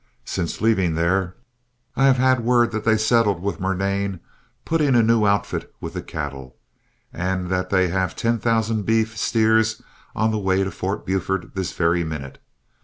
Since leaving there, I have had word that they settled with Murnane, putting a new outfit with the cattle, and that they have ten thousand beef steers on the way to Fort Buford this very minute.